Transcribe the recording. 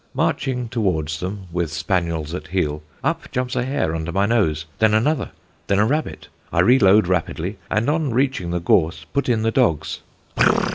Marching towards them with spaniels at heel, up jumps a hare under my nose, then another, then a rabbit. I reload rapidly, and on reaching the gorse 'put in' the dogs.